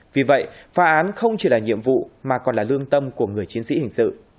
vì vậy phá án không chỉ là nhiệm vụ mà còn là lương tâm của người chiến sĩ hình sự